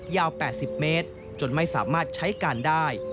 ยาว๘๐เมตรจนไม่สามารถใช้การได้